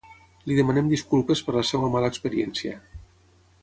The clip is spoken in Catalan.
Li demanem disculpes per la seva mala experiència.